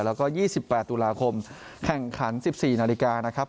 แล้วก็๒๘ตุลาคมแข่งขัน๑๔นาฬิกานะครับ